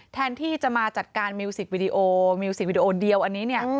แทนที่จะมาจัดการมิวสิกวิดีโอมิวสิกวิดีโอเดียวอันนี้เนี่ย